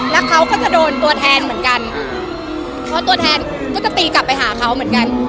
แล้วเขาก็จะโดนตัวแทนเหมือนกันเพราะตัวแทนก็จะตีกลับไปหาเขาเหมือนกัน